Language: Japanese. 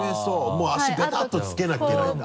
もう足ベタッとつけなきゃいけないんだ。